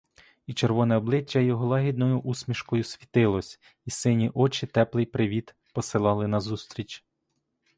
І червоне обличчя його лагідною усмішкою світилось, і сині очі теплий привіт посилали назустріч.